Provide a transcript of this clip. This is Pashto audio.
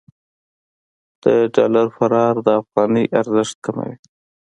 د ډالر فرار د افغانۍ ارزښت کموي.